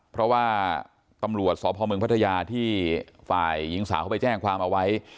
เพราะว่าตำรวจสพเมืองพัทยาที่ฝ่ายหญิงสาวเขาไปแจ้งความเอาไว้